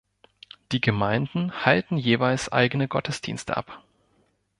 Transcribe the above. Die Gemeinden halten jeweils eigene Gottesdienste ab.